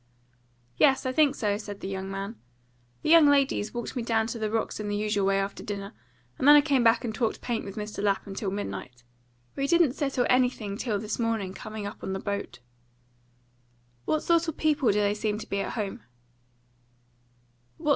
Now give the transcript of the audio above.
"Yes, I think so," said the young man. "The young ladies walked me down to the rocks in the usual way after dinner, and then I came back and talked paint with Mr. Lapham till midnight. We didn't settle anything till this morning coming up on the boat." "What sort of people do they seem to be at home?"